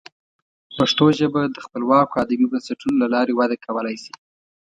پښتو ژبه د خپلواکو ادبي بنسټونو له لارې وده کولی شي.